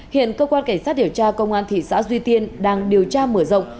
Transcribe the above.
hiện cơ quan cảnh sát điều tra công an thị xã duy tiên đang điều tra mở rộng